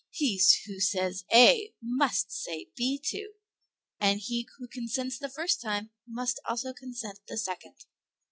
He who says A must say B too; and he who consents the first time must also the second.